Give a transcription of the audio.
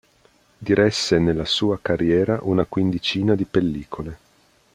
Diresse nella sua carriera una quindicina di pellicole.